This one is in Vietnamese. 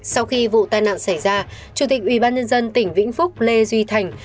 sau khi vụ tai nạn xảy ra chủ tịch ubnd tỉnh vĩnh phúc lê duy thành